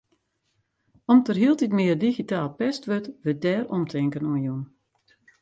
Om't der hieltyd mear digitaal pest wurdt, wurdt dêr omtinken oan jûn.